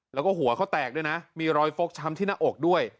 แล้วก็หัวเขาแตกด้วยนะมีรอยฟกช้ำที่หน้าอกด้วย